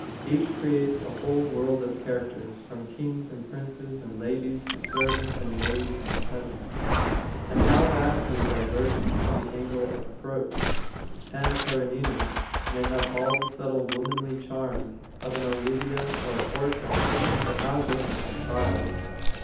Each creates a whole world of characters, from kings and princes and ladies to servants and maids and peasants. But how vastly divergent the angle of approach! Anna Karenina may have all the subtle womanly charm of an Olivia or a Portia, but how different her trials.